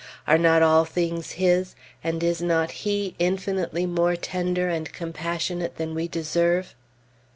Are not all things His, and is not He infinitely more tender and compassionate than we deserve?